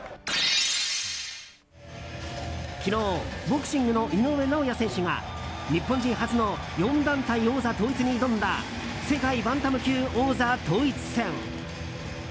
昨日ボクシングの井上尚弥選手が日本人初の４団体王座統一に挑んだ世界バンタム級王座統一戦。